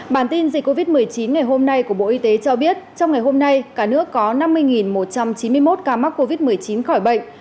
bản tin dịch covid một mươi chín ngày hôm nay của bộ y tế cho biết trong ngày hôm nay cả nước có năm mươi một trăm chín mươi một ca mắc covid một mươi chín khỏi bệnh